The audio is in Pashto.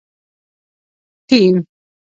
ټیم